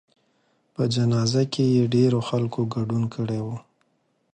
په جنازه کې یې ډېرو خلکو ګډون کړی و.